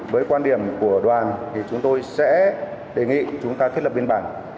với quan điểm của đoàn thì chúng tôi sẽ đề nghị chúng ta thiết lập biên bản